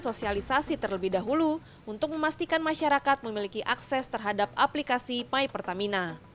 sosialisasi terlebih dahulu untuk memastikan masyarakat memiliki akses terhadap aplikasi my pertamina